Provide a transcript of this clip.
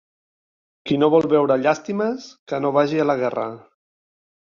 Qui no vol veure llàstimes, que no vagi a la guerra.